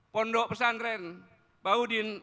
pondok pesantren baudin